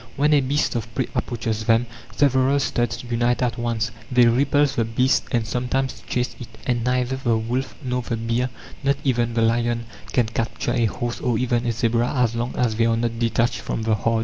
When a beast of prey approaches them, several studs unite at once; they repulse the beast and sometimes chase it: and neither the wolf nor the bear, not even the lion, can capture a horse or even a zebra as long as they are not detached from the herd.